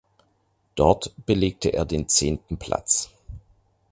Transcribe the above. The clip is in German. Dort belegte er den zehnten Platz.